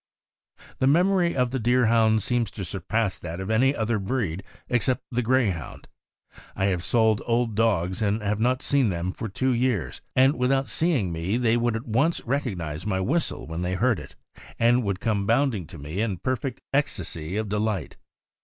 The memory of the Deerhound seems to surpass that of any other breed except the Greyhound. I have sold old dogs and have not seen them for two years, and without seeing me they would at once recognize my whistle when t*hey heard it, and would come bounding to me in a perfect ecstasy of delight.